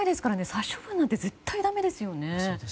殺処分なんて絶対にだめですよね。